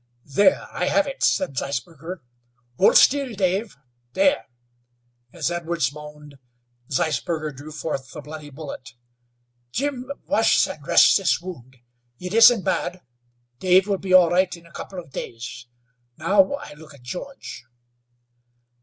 "There, I have it," said Zeisberger. "Hold still, Dave. There!" As Edwards moaned Zeisberger drew forth the bloody bullet. "Jim, wash and dress this wound. It isn't bad. Dave will be all right in a couple of days. Now I'll look at George."